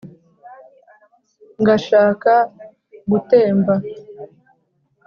Ngashaka gutemba